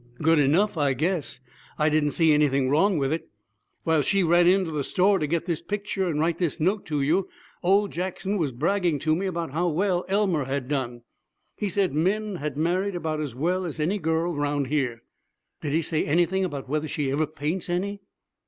Good enough, I guess. I didn't see anything wrong with it. While she ran into the store to get this picture and write this note to you, old Jackson was bragging to me about how well Elmer had done. He said Min had married about as well as any girl round here.' 'Did he say anything about whether she ever paints any?'